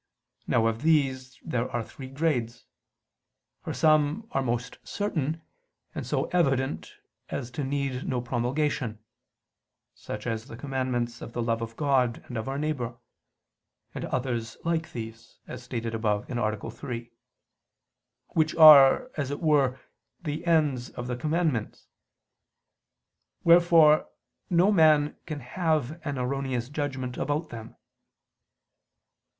Now of these there are three grades: for some are most certain, and so evident as to need no promulgation; such as the commandments of the love of God and our neighbor, and others like these, as stated above (A. 3), which are, as it were, the ends of the commandments; wherefore no man can have an erroneous judgment about them.